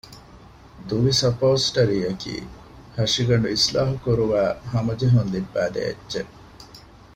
ދުވި ސަޕޯސްޓަރީއަކީ ހަށިގަނޑު އިޞްލާޙުކުރުވައި ހަމަޖެހުން ލިއްބައިދޭ އެއްޗެއް